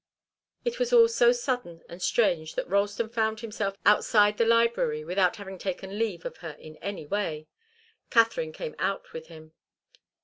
It was all so sudden and strange that Ralston found himself outside the library without having taken leave of her in any way. Katharine came out with him.